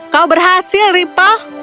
kau berhasil ripel